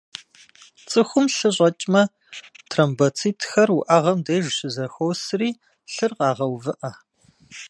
Цӏыхум лъы щӏэкӏмэ, тромбоцитхэр уӏэгъэм деж щызэхуосри, лъыр къагъэувыӏэ.